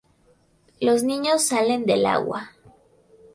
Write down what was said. Los niños salen del agua.